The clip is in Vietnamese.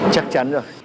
chắc chắn rồi